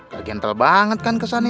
gagental banget kan kesannya